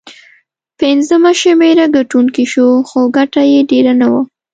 پنځمه شمېره ګټونکی شو، خو ګټه یې ډېره نه وه.